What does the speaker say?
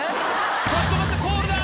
ちょっと待ったコールだ！